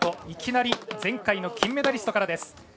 いきなり前回の金メダリストからです。